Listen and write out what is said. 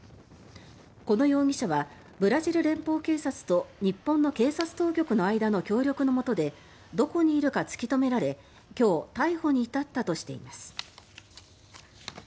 この容疑者はブラジル連邦警察と日本の警察当局の間の協力のもとでどこにいるか突き止められ今日逮捕に至ったとしています。